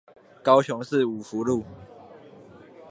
高雄市五福路